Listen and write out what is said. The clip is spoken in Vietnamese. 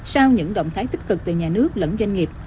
sau những động thái tích cực từ nhà nước lẫn doanh nghiệp